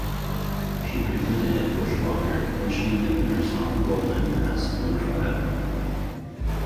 She briefly dated Butch Walker, mentioning him in her song "Golden" as "Number Five.